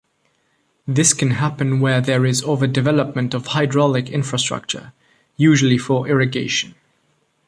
This can happen where there is overdevelopment of hydraulic infrastructure, usually for irrigation.